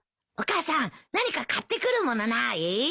お母さん何か買ってくるものない？